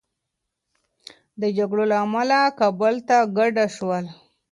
د جګړو له امله کابل ته کډه شول.